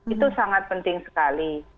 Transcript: itu sangat penting sekali